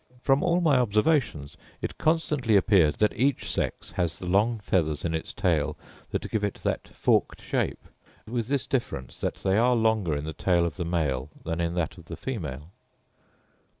From all my observations, it constantly appeared that each sex has the long feathers in its tail that give it that forked shape; with this difference, that they are longer in the tail of the male than in that of the female.